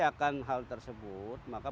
akan hal tersebut maka